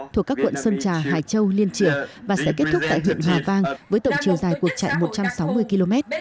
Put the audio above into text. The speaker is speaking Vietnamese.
thuộc các quận sơn trà hải châu liên triển và sẽ kết thúc tại huyện hòa vang với tổng chiều dài cuộc chạy một trăm sáu mươi km